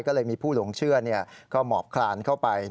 ก็เลยมีผู้หลงเชื่อก็หมอบคลานเข้าไป